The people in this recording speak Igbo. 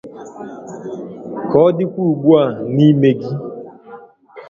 ka ọ dịkwa ugbu a n’ime gị